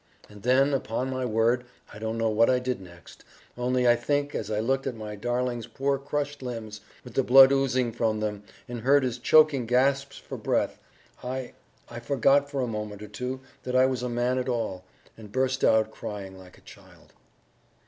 And then upon my word, I don't know what I did next, only I think, as I looked at my darling's poor crushed limbs, with the blood oozing from them, and heard his choking gasps for breath I I forgot for a moment or two that I was a man at all, and burst out crying like a child.